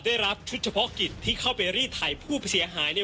ได้รับชุดเฉพาะกิจที่เข้าไปรีดไถผู้เสียหาย